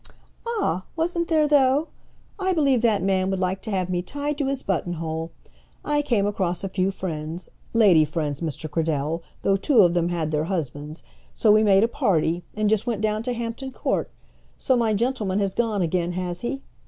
"Ah, wasn't there, though? I believe that man would like to have me tied to his button hole. I came across a few friends, lady friends, Mr. Cradell, though two of them had their husbands; so we made a party, and just went down to Hampton Court. So my gentleman has gone again, has he?